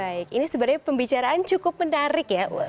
baik ini sebenarnya pembicaraan cukup menarik ya